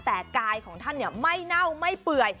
แต่กายของท่านไม่เน่าไม่เปื่อย